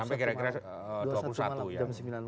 dua puluh satu malam jam sembilan malam